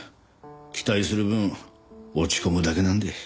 期待する分落ち込むだけなんで。